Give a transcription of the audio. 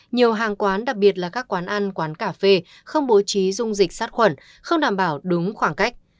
nhiều hàng quán đặc biệt là các quán ăn quán cà phê không bố trí dung dịch sát khuẩn không đảm bảo đúng khoảng cách